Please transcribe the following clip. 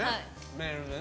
メールでね。